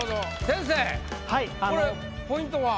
先生これポイントは？